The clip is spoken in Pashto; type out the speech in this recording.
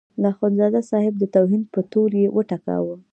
د اخندزاده صاحب د توهین په تور یې وټکاوه.